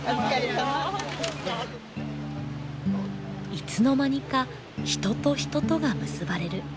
いつの間にか人と人とが結ばれる。